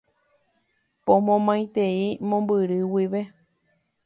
Pomomaitei mombyry guive.